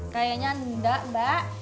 kayanya enggak mbak